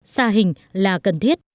xa hình là cần thiết